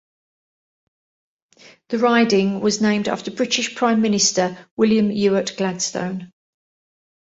The riding was named after British Prime Minister William Ewart Gladstone.